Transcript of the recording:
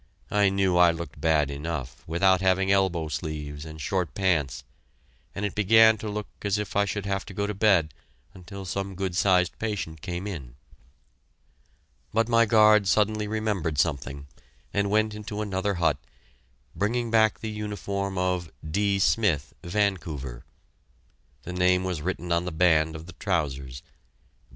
I knew I looked bad enough, without having elbow sleeves and short pants; and it began to look as if I should have to go to bed until some good sized patient came in. But my guard suddenly remembered something, and went into another hut, bringing back the uniform of "D. Smith, Vancouver." The name was written on the band of the trousers.